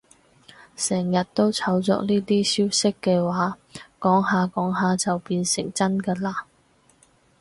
成日都炒作呢啲消息嘅話，講下講下就變成真㗎喇